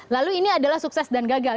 lalu ini adalah sukses dan gagal